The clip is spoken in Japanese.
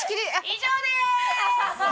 以上です！